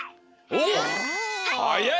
おっはやい！